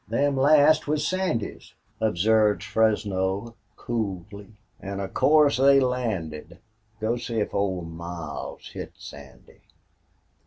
"Them last was Sandy's," observed Fresno, coolly. "An' of course they landed... Go see if Old Miles hit Sandy."